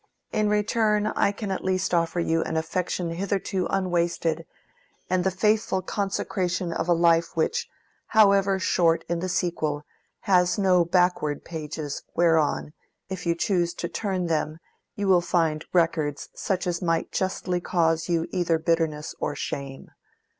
In return I can at least offer you an affection hitherto unwasted, and the faithful consecration of a life which, however short in the sequel, has no backward pages whereon, if you choose to turn them, you will find records such as might justly cause you either bitterness or shame.